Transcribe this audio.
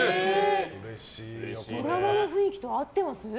ドラマの雰囲気と合ってます？